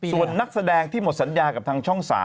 ส่วนนักแสดงที่หมดสัญญากับทางช่อง๓